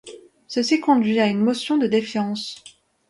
Ceci conduit à une motion de défiance.